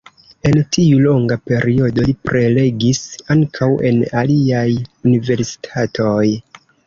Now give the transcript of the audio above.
En tiu longa periodo li prelegis ankaŭ en aliaj universitatoj.